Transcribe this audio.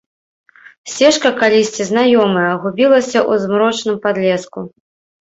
Сцежка, калісьці знаёмая, губілася ў змрочным падлеску.